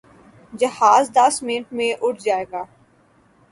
جہاز دس منٹ میں اڑ جائے گا۔